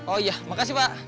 oh iya makasih pak